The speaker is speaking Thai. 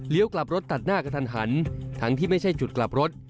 กลับรถตัดหน้ากระทันหันทั้งที่ไม่ใช่จุดกลับรถ